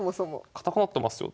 堅くなってますよ。